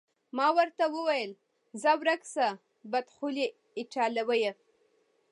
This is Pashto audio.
ما ورته وویل: ځه ورک شه، بدخولې ایټالویه.